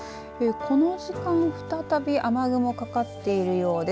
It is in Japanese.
この時間再び雨雲かかっているようです。